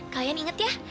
kalian inget ya